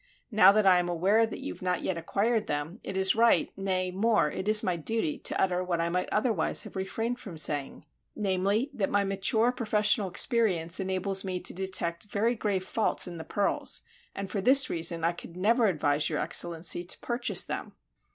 Now that I am aware you have not yet acquired them, it is right, nay more, it is my duty, to utter what I might otherwise have refrained from saying; namely, that my mature professional experience enables me to detect very grave faults in the pearls, and for this reason I could never advise your Excellency to purchase them."